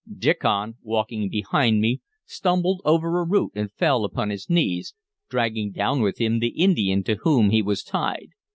Diccon, walking behind me, stumbled over a root and fell upon his knees, dragging down with him the Indian to whom he was tied.